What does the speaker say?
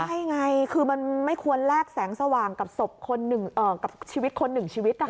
ใช่ไงคือมันไม่ควรแลกแสงสว่างกับศพกับชีวิตคนหนึ่งชีวิต